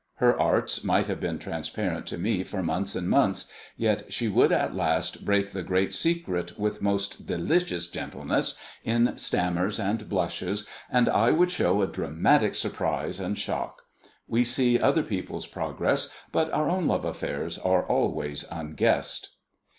Her arts might have been transparent to me for months and months, yet she would at last break the great secret with most delicious gentleness, in stammers and blushes, and I would show a dramatic surprise and shock. We see other people's progress, but our own love affairs are always unguessed.